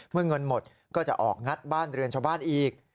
เงินหมดก็จะออกงัดบ้านเรือนชาวบ้านอีก